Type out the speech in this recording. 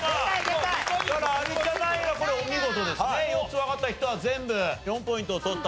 ４つわかった人は全部４ポイントを取ったと。